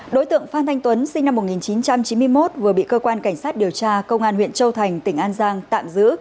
đối tượng phan thanh tuấn sinh năm một nghìn chín trăm chín mươi một vừa bị cơ quan cảnh sát điều tra công an huyện châu thành tỉnh an giang tạm giữ